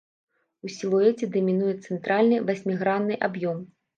У сілуэце дамінуе цэнтральны васьмігранны аб'ём.